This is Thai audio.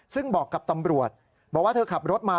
ซึ่งบอกกับตำรวจบอกว่าเธอขับรถมา